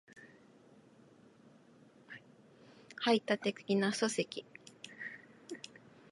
排他的な組織